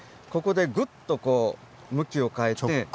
ここでグッと向きを変えて。